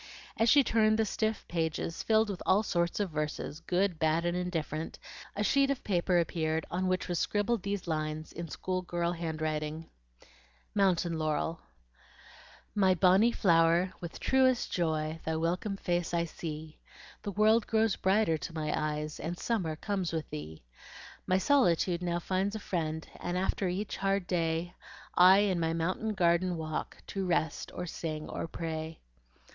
As she turned the stiff pages filled with all sorts of verses, good, bad, and indifferent, a sheet of paper appeared on which was scribbled these lines in school girl handwriting: MOUNTAIN LAUREL My bonnie flower, with truest joy Thy welcome face I see, The world grows brighter to my eyes, And summer comes with thee. My solitude now finds a friend, And after each hard day, I in my mountain garden walk, To rest, or sing, or pray.